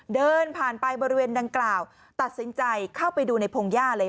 เดินผ่านไปบริเวณดังกล่าวตัดสินใจเข้าไปดูในพงหญ้าเลย